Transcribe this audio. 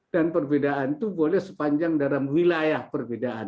dan perbedaan itu boleh sepanjang dalam wilayah perbedaan